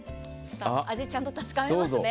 味、ちゃんと確かめますね。